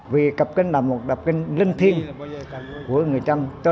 vì cập kinh là một đạo kinh linh thiên và cập kinh là một đạo kinh linh thiên